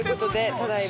ただいま